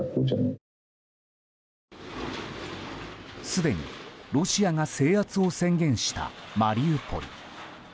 すでにロシアが制圧を宣言したマリウポリ。